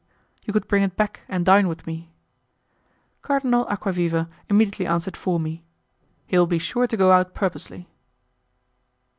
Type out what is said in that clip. "you could bring it back, and dine with me." Cardinal Aquaviva immediately answered for me: "He will be sure to go out purposely."